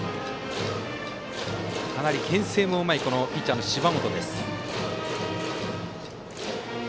かなり、けん制もうまいピッチャーの芝本。